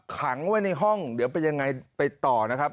ขังไว้ในห้องเดี๋ยวเป็นยังไงไปต่อนะครับ